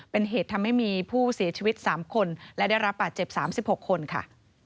เป็นเหตุทำให้มีผู้เสียชีวิต๓คนและได้รับบาดเจ็บ๓๖คนค่ะ